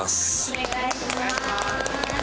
お願いします！